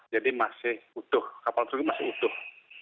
masih utuh kapal tersebut masih utuh